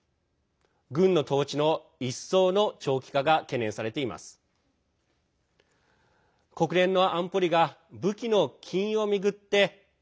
軍の統治の一層の長期化が懸念されています。